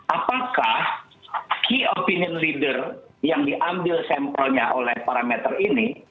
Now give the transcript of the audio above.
apakah key opinion leader yang diambil sampelnya oleh parameter ini